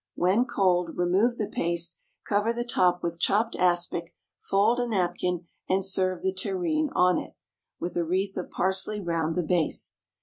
When cold, remove the paste, cover the top with chopped aspic, fold a napkin, and serve the terrine on it, with a wreath of parsley round the base.